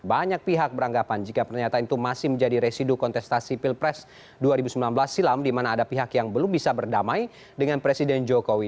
banyak pihak beranggapan jika pernyataan itu masih menjadi residu kontestasi pilpres dua ribu sembilan belas silam di mana ada pihak yang belum bisa berdamai dengan presiden jokowi